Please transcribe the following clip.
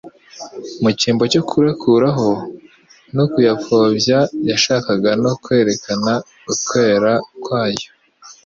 Mu cyimbo cyo kuyakuraho no kuyapfobya yashakaga no kwerekana ukwera kwayo.